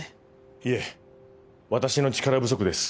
いえ私の力不足です。